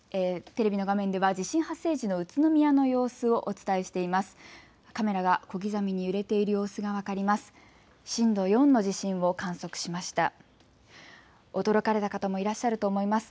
テレビの画面では地震発生時の宇都宮の様子をお伝えしています。